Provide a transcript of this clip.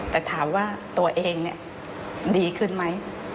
แต่ถามว่าตัวเองดีขึ้นไหม